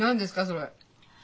それ。